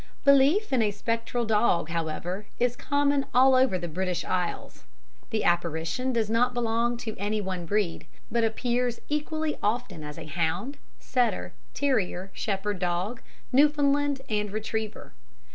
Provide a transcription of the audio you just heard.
Belief in a spectral dog, however, is common all over the British Isles. The apparition does not belong to any one breed, but appears equally often as a hound, setter, terrier, shepherd dog, Newfoundland and retriever.